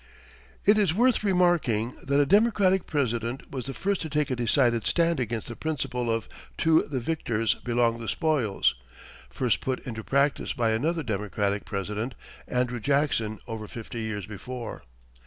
It is worth remarking that a Democratic President was the first to take a decided stand against the principle of "to the victors belong the spoils," first put into practice by another Democratic President, Andrew Jackson, over fifty years before.